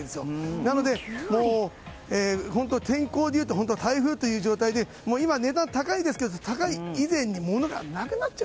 なので天候でいうと台風という状態で今、値段が高いですが高い以前にものがなくなっちゃう。